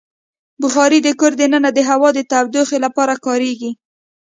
بخاري د کور دننه د هوا د تودوخې لپاره کارېږي.